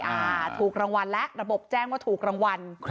อ่าถูกรางวัลและระบบแจ้งว่าถูกรางวัล